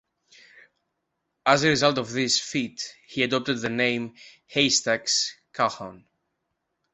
As a result of this feat, he adopted the name Haystacks Calhoun.